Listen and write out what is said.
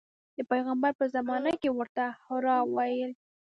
د پیغمبر په زمانه کې یې ورته حرا ویل.